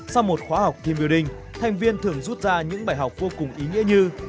sau một khóa học team building thành viên thường rút ra những bài học vô cùng ý nghĩa như